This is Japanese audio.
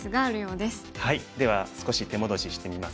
では少し手戻ししてみますかね。